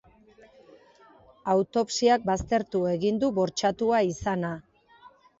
Autopsiak baztertu egin du bortxatua izana.